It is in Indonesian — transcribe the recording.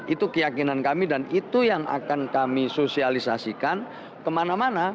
itu keyakinan kami dan itu yang akan kami sosialisasikan kemana mana